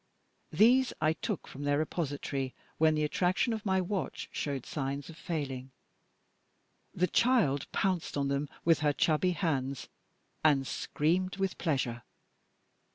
These I took from their repository when the attraction of my watch showed signs of failing. The child pounced on them with her chubby hands, and screamed with pleasure.